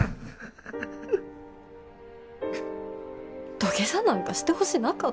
土下座なんかしてほしなかった。